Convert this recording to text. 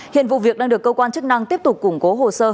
hiện vụ việc đang được cơ quan chức năng tiếp tục củng cố hồ sơ